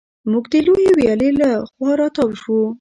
موږ د لویې ویالې له خوا را تاو شوو.